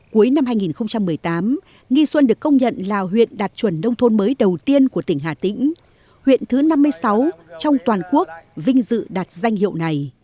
cuối năm hai nghìn một mươi tám nghi xuân được công nhận là huyện đạt chuẩn nông thôn mới đầu tiên của tỉnh hà tĩnh huyện thứ năm mươi sáu trong toàn quốc vinh dự đạt danh hiệu này